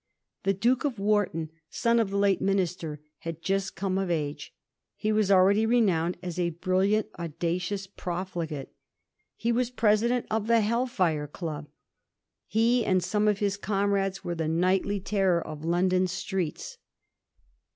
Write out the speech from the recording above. The Duke of Wharton, son of the late Minister, had just come of age. He was already re nowned as a brilliant, audacious profligate. He was president of the Hell fire Club ; he and some of his comrades were the nightly terror of London streets.